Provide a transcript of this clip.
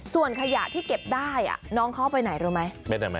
ส่วนขยะที่เก็บได้น้องเขาไปไหนรู้ไหม